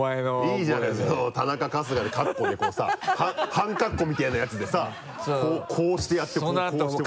いいじゃないその田中春日でカッコでこうさ半カッコみたいなやつでさこうしてやってこうこうして。